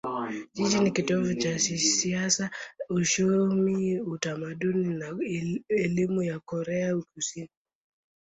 Jiji ni kitovu cha siasa, uchumi, utamaduni na elimu ya Korea Kusini.